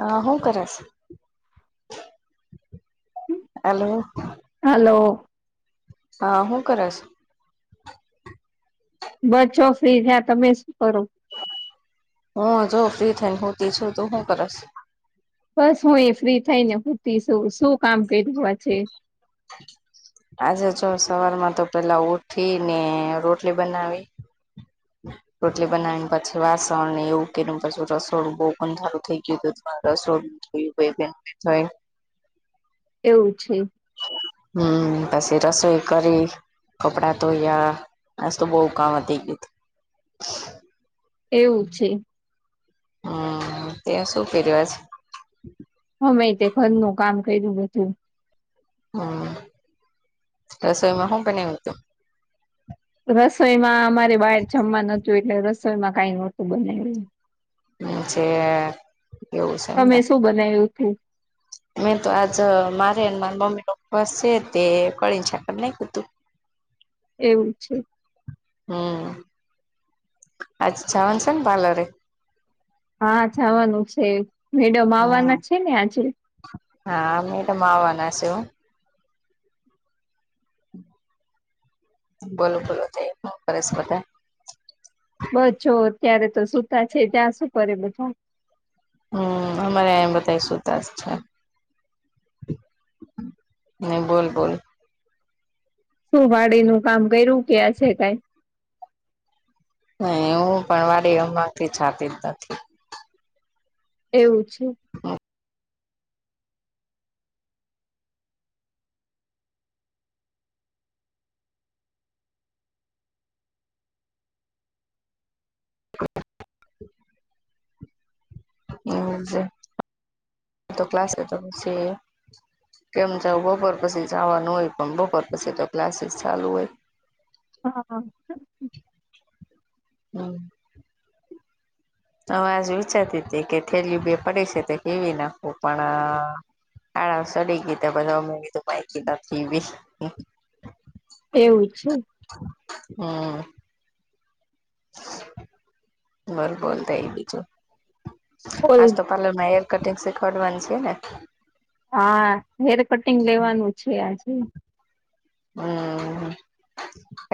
અ શું કરસ, hello.. hello. હા હું કરસ બચો ફ્રી થયા તમે શું કરો. હું જો ફ્રી થઈને હૂતી છું તો હું કરસ.. બસ હું એ ફ્રી થઈને હુતીસુ શું કામ કર્યું આજે. આજે જો સવાર માં તો પેલા ઉઠી ને રોટલી બનાવી.. રોટલી બનાવીને પછી વાસણ એવું કે પછું રસોડુ બહુ ગંધાતું થઈ ગયું હતું મા રસોડુ જોયું ભ ત્યાં થય.. એવું છે.. હમ પછી રસોઈ કરી કપડા ધોયા આજ તો બહુ કામ વધી ગીવ તું.. એવું છે.. હમ તે શું કર્યું આજ. હમે તે ઘર નું કામ કર્યું બધું.. હમ રસોઈમાં હું બનાવ્યું તો. રસોઈમાં અમારે બાર જમવા નતું એટલે રસોઈમાં કઈ નહોતું બનાયવું છે.. એવું એમને તમે શું બનાવ્યું હતું મેં તો આજ મારે મા મમ્મી નો ઉપવાસ છે તે કળીને છાકર નઈ કતું.. [inaudible] એવું છે.. હમ આજ જવાનુ સે ને પાલરે હા જાવાનું છે મેડમ હમ આવાના છે ને આજે હા મેડમ આવવાના છે હો. બોલો બોલો તે શું કરેસ બધા એ. બસ છો અત્યારે તો સૂતા છે ત્યાં સુું કરે બધા.. હમ અમારે એમ બધા સુતા છે ને બોલ બોલ સું વાડી નું કામ કરું કયાં છે ટાઈમ. એવું પણ વારી અમથી છાતી જ નથી.. એવું છે [inaudible] એવું છે. આ તો ક્લાસ ખત્મ છે. કેમ જાવ બપોર પછી જાવાનું હોય પણ બપોર પછી તો ક્લાસીસ ચાલુ હોય હા.. હમ.. હું આજ વિચારતી હતી કે થેલીું બે પડી છે તો સેવી નાખવું પણ.. હ સડી ગીતી તે બધા છા અમે બીધું પાકીી નથી બી.. એવું છે.. હમ.. બોલ બોલ તો એ બીજું ઓલ આજ તો પાલરમાં હેર કટિંગ સીખવાડવાની સે ને હા હેર કટિંગ લેવાનું છે આજે.. હમ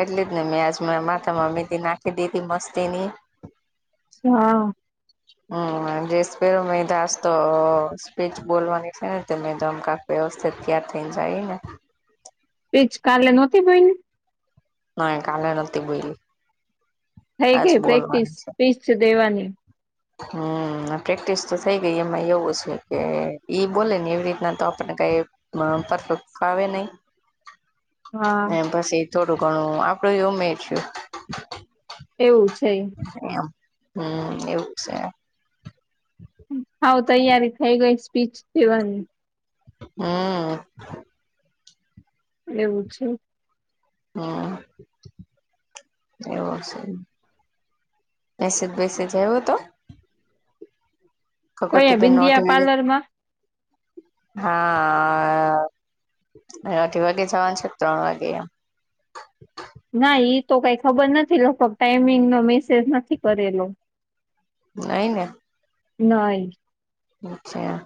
એટલી જ ને મેં આજ માથામાં મી તે નાખી દી મસ્તીની.. હા.. હમ જે સ્પેરો મેદાાસ તો સ્પીચ બોલવાની છે ને તે મેદા કા.. વ્યવસ્થિત તૈયાર થઈને જાય ને. એજ કાલે નતી બની, હ કાલે નતી બોલી, થઈ ગઈ પ્રેક્ટિસ સ્પીચ દેવાની, હમ્મ પ્રેક્ટિસ તો થઈ ગઈ એમાં એવું છે કે ઈ બોલે ને એવી રીતના તો આપણને કાઈ, માં પરફેક્ટ ફાવે નહી. [inaudible] બસ એ થોડું ઘણું આપીએ અમે છે. એવું છે ઈમ, એમ હમ્મ એવું છે. [inaudible] હઓ તૈયારી થઈ ગઈ સ્પીચ દેવાની. હં.. એવું છે. હા. એવો છે મેસેજ બેસેજ આયવો તો, કયા કંકોત્રી નોટ બિંદિયા મેની પાર્લરમાં હા... અ અઢી વાગે જવાન છે ત્રણ વાગે, ના ઈ તો કઈ ખબર નથી લગભગ ટાઈમિંગ નો મેસેજ નથી કરેલો. નઈ ને, નઈ, અચ્છા.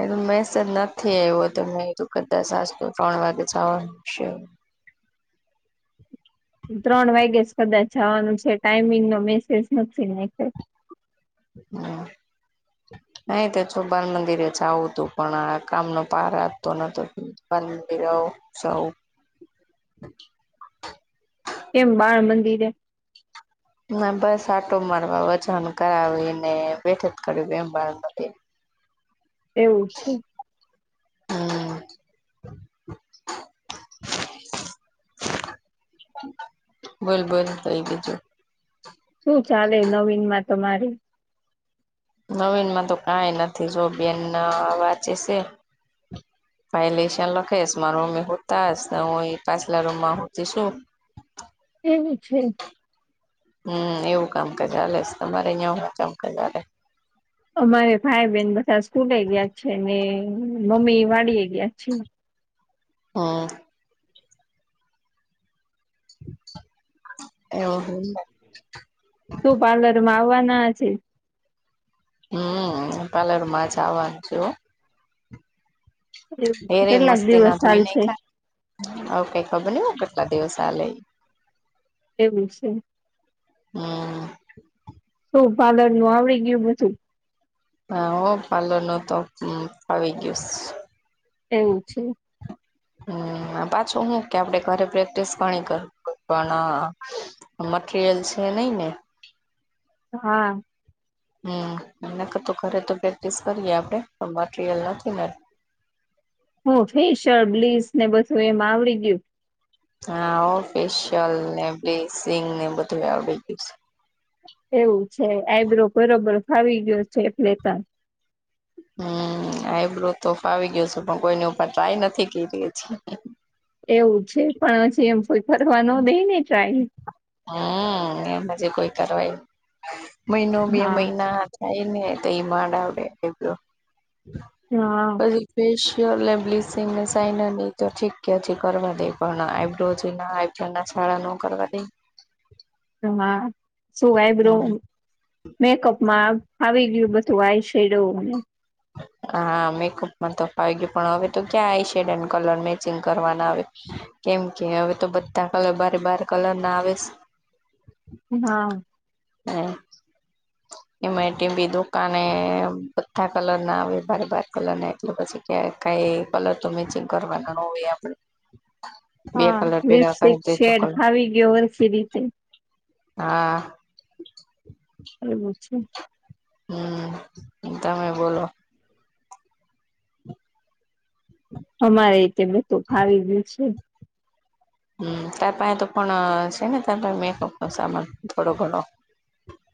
એ મેસેજ નથી આવ્યો તો મે કીધું કદાચ આજ તો ત્રણ વાગે જાવાનું છે. ત્રણ વાગે જ કદાચ જવાનું છે, ટાઈમિંગ નો મેસેજ નથી નાખ્યો. હા. નહી તો છું બાાલ મંદિરે જાવું હતું પણ આ કામનો પાર આવતો નતો પન દીઓ, સૌ, [inaudible] કેમ બાળ મંદિરે, ના બસ આટો મારવા વજન કરાવીને બેઠ કરું એમ બાળ મંદિરે, એવું છે. હમ બોલ બોલ કઈ બીજું, હુ ચાલે નવીન માં તમારે. નવીનમાં તો કાઈ નથી જો બેન અ વાંચે છે. ભાઈ લેશન લખેશ માર મમ્મી હુંતા ને હું એ પાછલા રૂમમાં હુંતી છું. એવું છે. હમ્મ એવું કામ હાલેસ તમારે અહીંયા હું કામ હાલે. અમારે ભાઈ બેન બધા સ્કૂલે ગ્યા છે ને મમ્મી વાડી ગ્યા છે. હ અ. એવું હે એમને. શું પાર્લર માં આવાના છે. હું પાર્લર મા આજ આવાની છું હો. એવું એને કેટલાક મસ્તી દિવસ ના ધોઈ હાલ છે નાઇખા હવે કઈ ખબર નઈ હો કેટલા દિવસ હાલે ઈ. એવું છે. હમ્મ. શું પાર્લર નું આવડી ગ્યું બધું. હા હો પાર્લર નું તો હમ્મ ફાવી ગ્યુંસ. એવું છે. હમ્મ પાછો હું કે આપડે ઘરે પ્રેક્ટિસ ઘણી કર પણ. મટરિયલ છે નઈ ને. હા. હમ નકર તો ઘરે તો પ્રેક્ટિસ કરીએ આપડે પણ મટીરિયલ નથી ને. હું ફેેશિયલ બ્લીચ ને બધું એમ આવડી ગયું. હા ફેશિયલ ને બ્લીસિંગ ને બધું આવડી ગયું છે. એવું છે આઈબ્રો બરોબર ફાવી ગયો છે એટ લેેતા. હમ આઈબ્રો તો ફાવી ગયો છે પણ કોઈને ઉપર ટ્રાય નથી કરી હજી. એવું છે પણ હજી એમ કોઈ કરવા નો દેય ને ટ્રાય. હમ એમ જે કોઈ કરવાય મહિનો બે હા મહિના. થાય નહી તોઈ માંડ આવડે આઈબ્રો. હા. પછી ફેશિયલ બ્લીસિંગ ને સાઇન ની તો ઠીક ક્યાથી કરવા દે પણ આઈબ્રોઝ. ના ચાળા ન કરવા દઈ. હા શું આઈબ્રું મેકઅપમાં ફાવી ગયું બધું આય છે. [unintelligible] હા મેકઅપમાં તો ફાવી ગયું પણ હવે તો ક્યાં eye shade and colour matching કરવાના આવે. કેમ કે હવે તો બધા કલર બારે બાર કલર ના આવે સે. હા. હ એમાં તી બી દુકાને બધા. કલર ના આવે બારે બાર કલર ના એટલે પછી ક કઈ કલર તો મેચિંગ કરવાના નો હોય આપણે. હા લિપસ્ટિક કરી ત્રીજો શેડ કલર ફાવી ગયો હરખી રીતે. હા. એવુ છે. હમ તમે બોલો. અમારે તે બધું ફાવી ગયું છે. હમ ત પા તો પણ છે ને ત મેકઅપ સામાન થોડો ઘણો.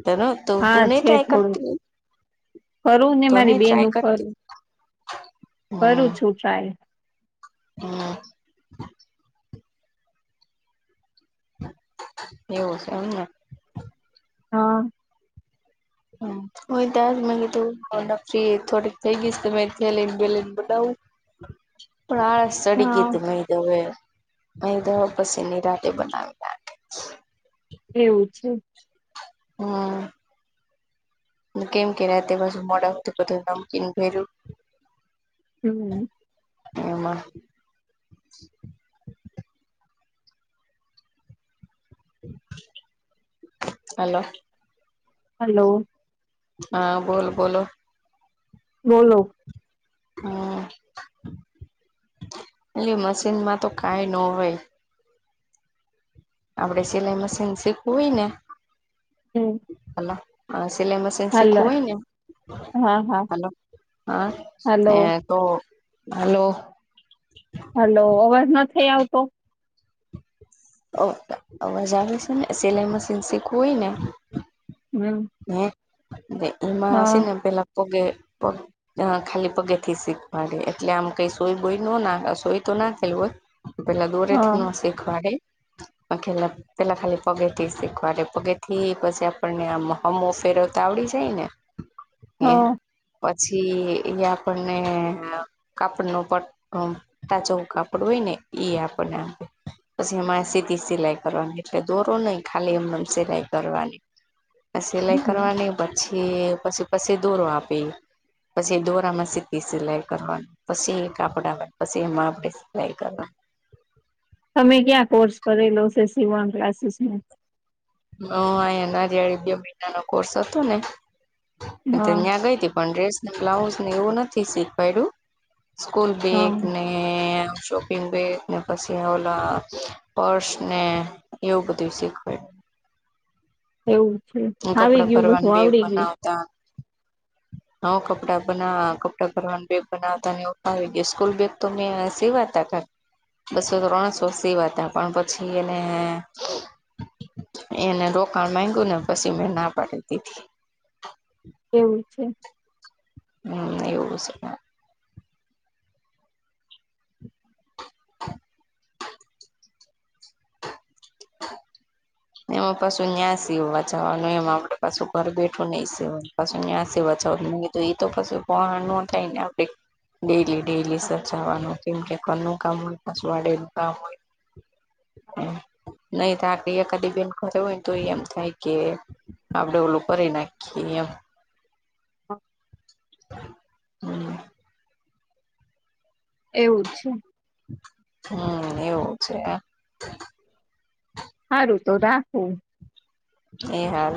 ત ન તો તું હા નહી છે ટ્રાય થોડું કરતી. કરું ને તો મારી નહી બેન ટ્રાય ઉપર કરતી કરું હમ. છું ટ્રાય. હમ. એવું છે એમને. હા. હમ. હ ત્યાં જ મગ ત ફ્રી થોડીક થઈ ગઈસ ત થેલીનેલીને બલાવું પળસ સડી હા ગીધું મહીદવે મહીદવ પછી નિરાતે બનાવી નાખે એવું છે. હમ કેમ કે્યા તે પાછુ મોડા તોું બધું નમકીન ભેર્યું હમ એમાં હલો હલો હા બોલ બોલો બોલો હમ એલે મશીન માં તો કઈ ન હોય આપડે સિલાઈ મશીન શીખવું હોય ને હમ અલા હ સિલાઈ મશીન શીખવું હલો હોય ને હા હા હલો હા હલો તો હલો હલો અવાજ નથી થઈ આવતો અવાજ આવે છે ને સિલાઈ મશીન શીખવું હોય ને હમ હ એમાંશે હા ને પેલા પગેગ અ ખાલી પગે થી શીખવાડે એટલે આમ કઈ સોય બોય ન ના સોય તો નાખેલ હોય પેલા હા દોરેથી ન શીખવાડે લા પેલા ખાલી પગેથી શીખવાડ પગેથી પછી આપણને આ અમો ફેરો તો આવડી જાય ને એ હા પછી એ આપણને કાપડ નું પ હમ તાચોૌ કાપડ હોય ને એ આપણને આપે પછી એમાં સીધી સિલાઈ કરવાની એટલે દોરો નહી ખાલી હમ સિલાઈ કરવાની સિલાઈ હમ. કરવાની પછી પછી પછી દૂરો આપી પછી દોરા માં સીકી સિલાઈ કરવાની પછી એક આપડા આવેય પછી એમાં આપણેે સિલાઈ કરવા તમે ક્યાં કોર્સ કરેલો છે સવાન ક્લાસીસ ન હ અહીંયા નરિયાળી બે મહિના ન કોર્સ હતો ને હા ત્યાં ગઈ હતી પણ ડ્રેસ ને બ્લાઉઝ ને એવું નથી શીખવાયલું સ્કૂલ બે હા એકને શોપિંગ બે ને પછી ઓલા પર્સ ને એવું બધિવ શીખ એવું છે કપડા આવી ગયું ભરવાનું બધું બે આવડી ગયું નાતા હ કપડાં બના કપડાં ભરવાનું બેગ બનાવતા નેાવ ગયા સ્કૂલ બેગ તોને સેવાતા ખર બસો ત્રણસો સીવા હતા પણ પછી એને એને રોકાણ માંગ્યું ને પછી મેં ના પાડી દીધી એવું છે હ યોગસ એમાં પાછું ન્યાં સીવવા જવાનું એમ આપે પાછું ઘર બેઠું નહીિ સીવાય પા ં સવા ન એ તો પી ન થાય ને આપે ડેલી ડેલી હા, સચાવવાનું કેમ કે કોનું કામ હોય પાછ વાડેલું કામ હોય હા નહી તો આ એક કદી બેન ખરે હોયને તો એમ થાય કે આપડે ઓલું કરી નાખીએ એમ હા, હમ એવું છે હમ એવું છે હારું તો રાખું એ હાલ